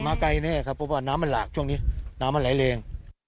ไกลแน่ครับเพราะว่าน้ำมันหลากช่วงนี้น้ำมันไหลแรง